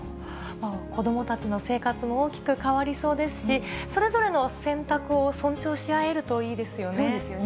子どもたちの生活も大きく変わりそうですし、それぞれの選択を尊重し合えるといいですよね。